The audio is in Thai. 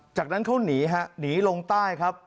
จากนั้นเขาหนีฮะหนีลงใต้ครับ